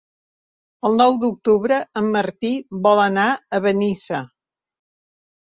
El nou d'octubre en Martí vol anar a Benissa.